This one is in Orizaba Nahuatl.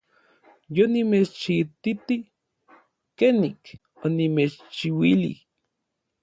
Yonimechititij kenik onimechchiuilij.